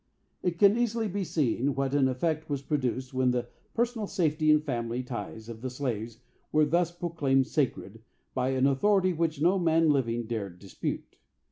It can easily be seen what an effect was produced when the personal safety and family ties of the slaves were thus proclaimed sacred by an authority which no man living dared dispute.